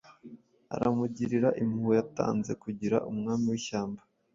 aramugirira impuhwe Yatanze kugira umwami wishyamba